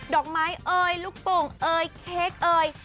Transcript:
อกไม้เอ่ยลูกโป่งเอ่ยเค้กเอ่ย